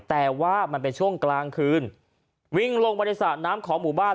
แต่ว่ามันเป็นช่วงกลางคืนวิ่งลงมาในสระน้ำของหมู่บ้าน